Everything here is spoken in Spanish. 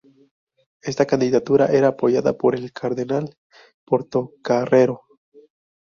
Esta candidatura era apoyada por el cardenal Portocarrero.